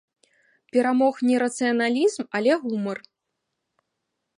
Перамог не рацыяналізм, але гумар.